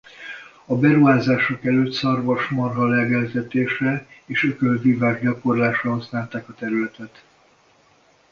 A beruházások előtt szarvasmarha-legeltetésre és ökölvívás gyakorlásra használták a területet.